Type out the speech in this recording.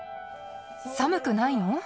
寒くないの？